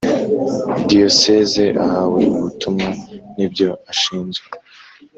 diyosezi ahawe ubutumwa n’ibyo ashinzwe